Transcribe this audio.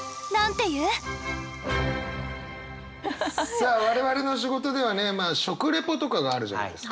さあ我々の仕事ではねまあ食レポとかがあるじゃないですか。